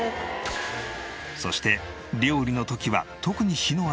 そして料理の時は特に火の扱いに注意。